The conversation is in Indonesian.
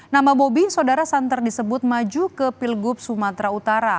nama bobi saudara santer disebut maju ke pilgub sumatera utara